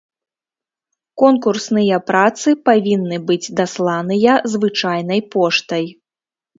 Конкурсныя працы павінны быць дасланыя звычайнай поштай.